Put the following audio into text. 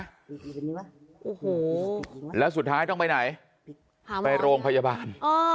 โอ้โหแล้วสุดท้ายต้องไปไหนไปโรงพยาบาล